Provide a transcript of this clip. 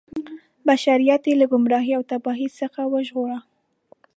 بشریت یې له ګمراهۍ او تباهۍ څخه وژغوره.